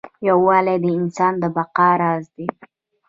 یووالی د انسان د بقا راز دی.